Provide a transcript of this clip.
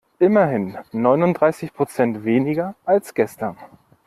Immerhin neununddreißig Prozent weniger als gestern.